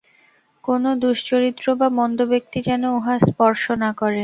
কোন দুশ্চরিত্র বা মন্দ ব্যক্তি যেন উহা স্পর্শ না করে।